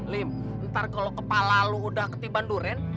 lim ntar kalo kepala lo udah ketiban duren